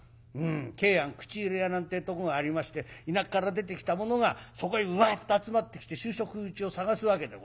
桂庵口入れ屋なんてとこがありまして田舎から出てきたものがそこへうわっと集まってきて就職口を探すわけでございます。